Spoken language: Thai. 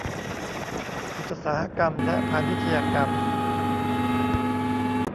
อุตสาหกรรมและพาณิชยกรรม